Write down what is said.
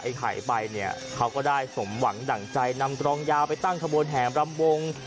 ไข่ไปเนี่ยเขาก็ได้สมหวังดั่งใจนำกรองยาวไปตั้งขบวนแห่มรำวง